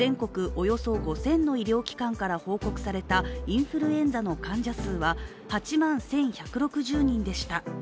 およそ５０００の医療機関から報告されたインフルエンザの患者数は８万１１６０人でした。